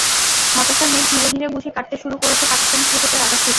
হতাশার মেঘ ধীরে ধীরে বুঝি কাটতে শুরু করেছে পাকিস্তান ক্রিকেটের আকাশ থেকে।